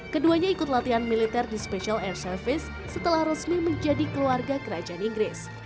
keduanya ikut latihan militer di special air service setelah resmi menjadi keluarga kerajaan inggris